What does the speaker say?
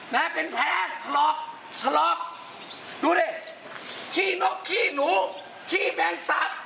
แม่เป็นแผลถลอกถลอกดูดิขี้นกขี้หนูขี้แม่งสาม